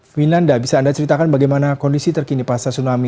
vinanda bisa anda ceritakan bagaimana kondisi terkini pasca tsunami